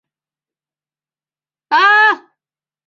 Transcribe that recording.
万历十四年丙戌科第三甲第一百六十四名进士。